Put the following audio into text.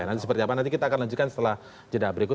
nanti seperti apa nanti kita akan lanjutkan setelah jeda berikut